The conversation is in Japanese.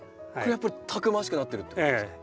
やっぱりたくましくなってるってことですか？